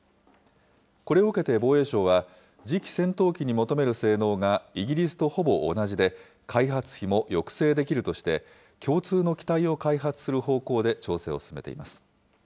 これを受けて防衛省は、次期戦闘機に求める性能がイギリスとほぼ同じで、開発費も抑制できるとして、共通の機体を開発する方向で調整を進めています。